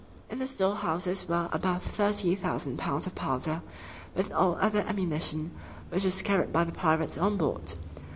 In the storehouses were above thirty thousand pounds of powder, with all other ammunition, which was carried by the pirates on board.